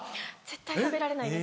絶対食べられないです。